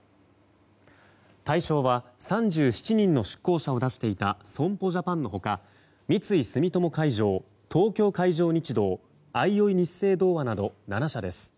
大勝は、３７人の出向者を出していた損保ジャパンの他三井住友海上、東京海上日動あいおいニッセイ同和など７社です。